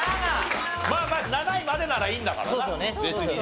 まあまあ７位までならいいんだからな別にね。